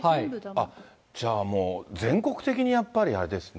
あっ、じゃあ、もう全国的にやっぱりあれですね。